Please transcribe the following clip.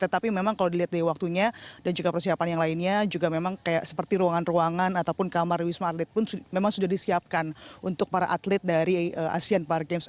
tetapi memang kalau dilihat dari waktunya dan juga persiapan yang lainnya juga memang seperti ruangan ruangan ataupun kamar wisma atlet pun memang sudah disiapkan untuk para atlet dari asian para games